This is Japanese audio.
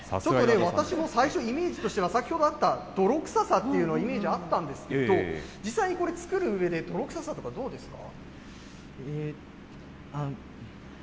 私も最初、イメージとしては先ほどあった泥臭さっていうの、イメージあったんですけれども、実際にこれ作るうえで、泥臭さとかどうですか？